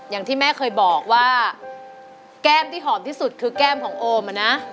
อย่างที่แม่เคยบอกว่าแก้มที่หอมที่สุดคือแก้มของโอมอะนะ